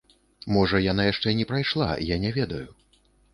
Можа, яна яшчэ не прайшла, я не ведаю.